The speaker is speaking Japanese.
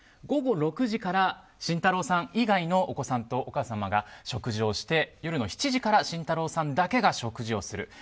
午後６時から慎太郎さん以外のお子さんとお母様が食事をして、夜の７時から慎太郎さんだけが食事をする。